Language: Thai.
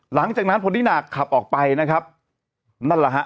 หลังจากนั้นพอนิน่าขับออกไปนะครับนั่นแหละฮะ